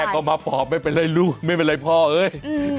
ก็มาปอบไม่เป็นไรลูกไม่เป็นไรพ่อเอ้ย